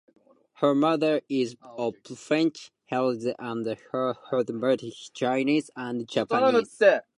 Her mother is of French heritage and her father is Chinese and Japanese.